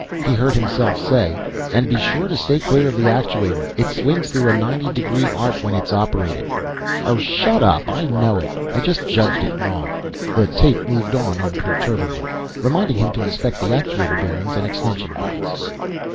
He heard himself say, "And be sure to stay clear of the actuator. It swings through a ninety degree arc when it's operated." "Oh, shut up! I know it; I just judged it wrong." The tape moved on unperturbedly, reminding him to inspect the actuator bearings and extension rods.